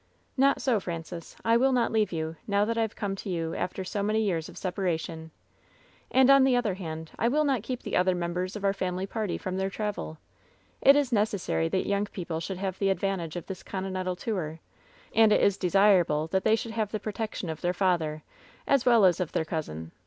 "Not so, Francis. I will not leave you, now that I have come to you after so many years of separation. And, on the other hand, I will not keep the other mem 302 LOVE'S BITTEREST CUP ^ bers of our family party from their travel. It is neces sary that young people should have the advantage of this continental tour, and it is desirable that they should have the protection of their father, as well as of their cousin.